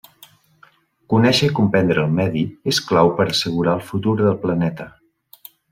Conèixer i comprendre el medi és clau per assegurar el futur del planeta.